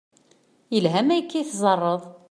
Yelha ma akka i teẓẓareḍ.